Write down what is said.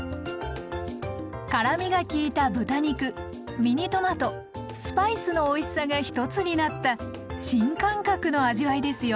辛みが利いた豚肉ミニトマトスパイスのおいしさが１つになった新感覚の味わいですよ。